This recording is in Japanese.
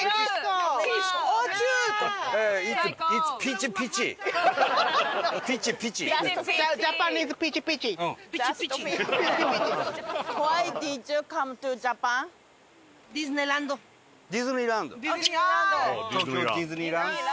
東京ディズニーランド。